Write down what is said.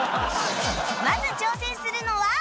まず挑戦するのは